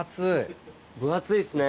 分厚いっすね